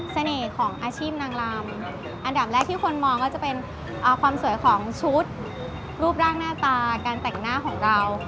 ของอาชีพนางลำอันดับแรกที่คนมองก็จะเป็นความสวยของชุดรูปร่างหน้าตาการแต่งหน้าของเรา